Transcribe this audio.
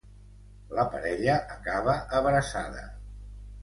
La parella acaba abraçada.